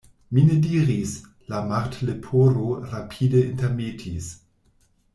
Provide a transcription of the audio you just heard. "Mi ne diris," la Martleporo rapide intermetis.